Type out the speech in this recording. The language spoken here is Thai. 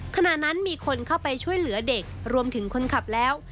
ขณะนั้นมีคนเข้าไปช่วยเหลือเด็กรวมถึงคนขับแล้ว